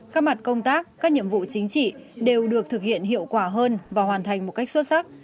các mặt công tác các nhiệm vụ chính trị đều được thực hiện hiệu quả hơn và hoàn thành một cách xuất sắc